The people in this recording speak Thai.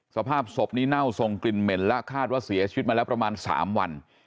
สภาพศพนี้เน่าทรงกลิ่นเหม็นและคาดว่าเสียชีวิตมาแล้วประมาณ๓วัน